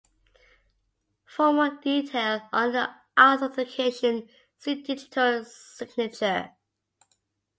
For more detail on authentication, see digital signature.